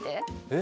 え？